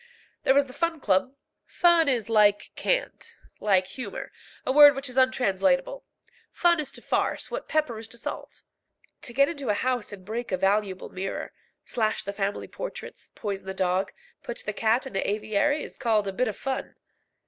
There was the Fun Club. Fun is like cant, like humour, a word which is untranslatable. Fun is to farce what pepper is to salt. To get into a house and break a valuable mirror, slash the family portraits, poison the dog, put the cat in the aviary, is called "cutting a bit of fun."